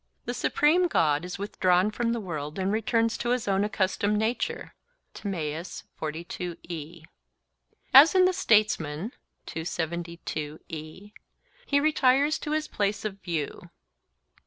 The supreme God is withdrawn from the world and returns to his own accustomed nature (Tim.). As in the Statesman, he retires to his place of view.